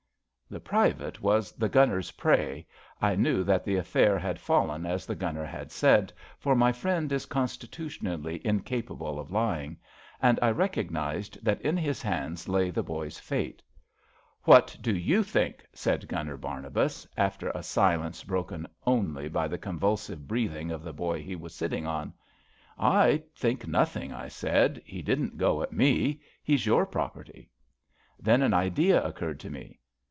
The Private was the Gunner's prey — ^I knew that the affair had fallen as the Gunner had said, for my friend is constitutionally incapable of lying — and I recognised that in his hands lay the boy's fate. " What do you think? " said Gunner Barnabas, THE LIKES O^ US 105 after a silence broken only by the convulsive breathing of the boy he was sitting on. I think nothing/' I said. He didn't go at me. He's your property." Then an idea occurred to me.